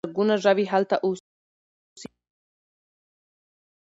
زرګونه ژوي هلته اوسي.